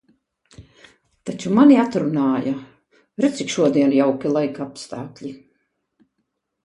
Taču mani atrunāja. Re, cik šodien jauki laikapstākļi!